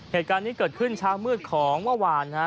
เหตุการณ์นี้เกิดขึ้นเช้ามืดของเมื่อวาน